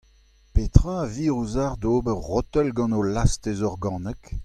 Petra a vir ouzhocʼh d’ober rotel gant ho lastez organek ?